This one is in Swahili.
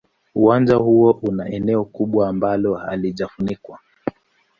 Uwanja huo una eneo kubwa ambalo halijafunikwa.